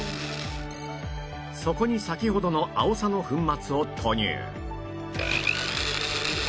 そこに先ほどのアオサの粉末を投入